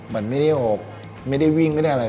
มันไม่ได้หกไม่ได้วิ่งไม่ได้อะไร